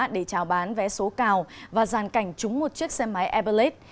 để trào bán vé số cao và giàn cảnh trúng một chiếc xe máy airberlet